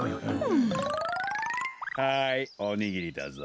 はいおにぎりだぞ。